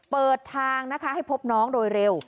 เปิดทางนะคะให้พบน้องโดยเร็ว